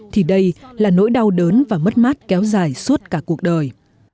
thì đây là nỗi đau đớn và mất mát kéo dài suốt cả cuộc đời